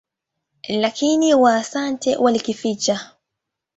Lakini Waasante walikificha.